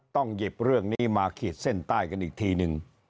หยิบเรื่องนี้มาขีดเส้นใต้กันอีกทีนึง